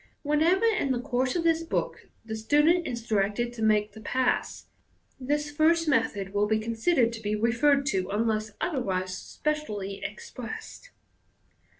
Wherever in the course of this book the student is directed to make the pass, this first method will be considered to be referred to, unless otherwise specially expressed.